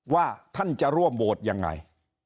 ว่าท่านจะร่วมโหวตยังไง